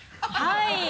はい！